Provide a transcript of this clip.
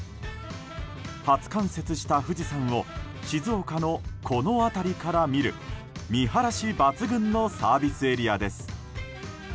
初冠雪した富士山を静岡のこの辺りから見る見晴らし抜群のサービスエリアです。